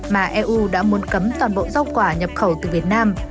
mà eu đã muốn cấm toàn bộ rau quả nhập khẩu từ việt nam